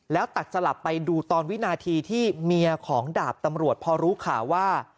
แล้วตัดสลับไปดูตอนวินาทีที่เมียของดาบตำรวจพอรู้ข่าวว่า